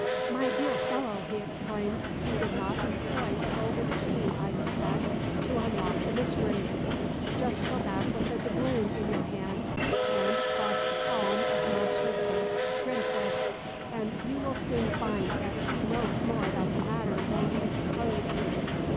"My dear fellow," he exclaimed, "you did not employ a golden key, I suspect, to unlock the mystery! Just go back with a doubloon in your band, and cross the palm of Master Dick Greedifist, and you will soon find that he knows more about the matter than you supposed."